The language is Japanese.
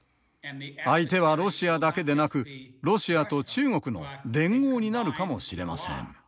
相手はロシアだけでなくロシアと中国の連合になるかもしれません。